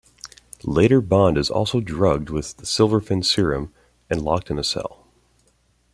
Later Bond is also drugged with the SilverFin serum and locked in a cell.